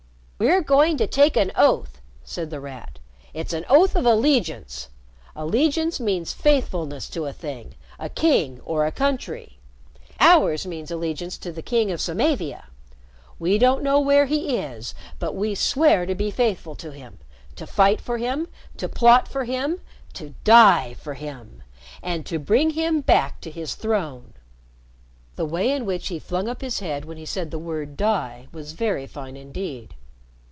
"We're going to take an oath," said The Rat. "It's an oath of allegiance. Allegiance means faithfulness to a thing a king or a country. Ours means allegiance to the King of Samavia. We don't know where he is, but we swear to be faithful to him, to fight for him, to plot for him, to die for him, and to bring him back to his throne!" The way in which he flung up his head when he said the word "die" was very fine indeed.